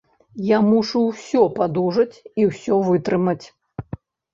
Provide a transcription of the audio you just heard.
Я мушу ўсё падужаць і ўсё вытрымаць.